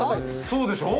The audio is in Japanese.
そうでしょ？